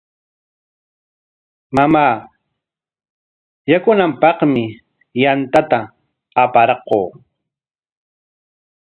Mamaa yanukunanpaqmi yantata aparquu.